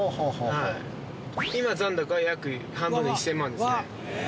今残高は約半分の１０００万ですねえ